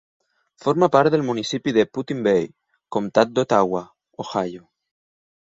Forma part del municipi de Put-in-Bay, comtat d'Otawa, Ohio.